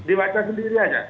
yang benar dibaca sendiri saja